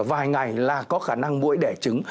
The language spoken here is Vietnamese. vài ngày là có khả năng mũi đẻ trứng